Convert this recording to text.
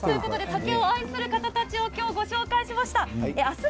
竹を愛する方たちをご紹介しました。